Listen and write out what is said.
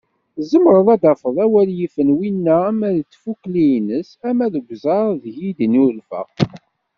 Tzemreḍ ad d-tafeḍ awal yifen winna ama deg tfukli-ines, ama deg uẓar seg i d-yennulfa.